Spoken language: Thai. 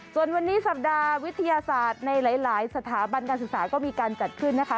ส่วนวันนี้สัปดาห์วิทยาศาสตร์ในหลายสถาบันการศึกษาก็มีการจัดขึ้นนะคะ